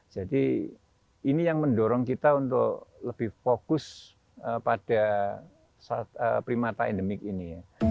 jadi ini yang mendorong kita untuk lebih fokus pada primata endemik ini